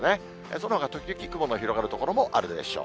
そのほか時々、雲の広がる所もあるでしょう。